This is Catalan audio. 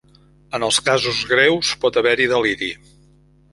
En els casos greus, pot haver-hi deliri.